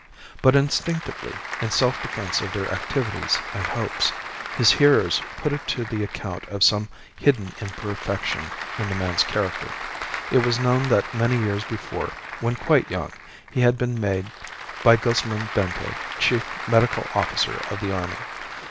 But instinctively, in self defence of their activities and hopes, his hearers put it to the account of some hidden imperfection in the man's character. It was known that many years before, when quite young, he had been made by Guzman Bento chief medical officer of the army.